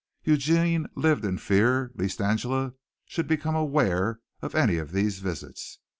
Eugene lived in fear lest Angela should become aware of any of these visits.